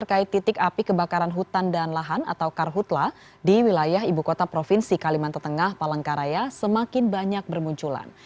terkait titik api kebakaran hutan dan lahan atau karhutla di wilayah ibu kota provinsi kalimantan tengah palangkaraya semakin banyak bermunculan